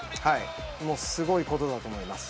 すごいことだと思います。